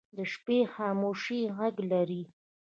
د شپې خاموشي غږ لري